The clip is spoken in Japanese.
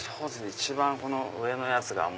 一番上のやつが。